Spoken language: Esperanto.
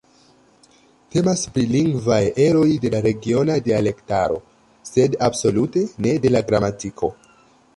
Temas pri lingvaj eroj de regiona dialektaro, sed absolute ne de la gramatiko.